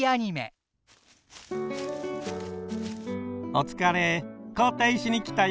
お疲れ交代しに来たよ。